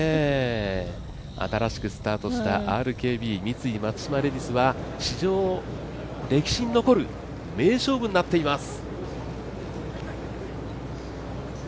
新しくスタートしたＲＫＢ×三井松島レディスは史上歴史に残る名勝負になっています。